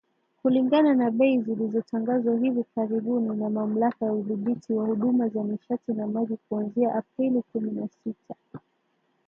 Kulingana na bei zilizotangazwa hivi karibuni na Mamlaka ya Udhibiti wa Huduma za Nishati na Maji kuanzia Aprili kumi na sita